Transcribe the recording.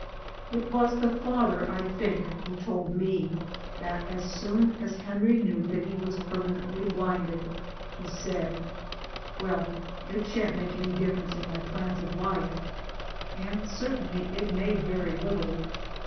It was the father, I think, who told me that as soon as Henry knew that he was permanently blinded he said " Well, it shan't make any difference in my plans of life 1 *' And certainly it made very little.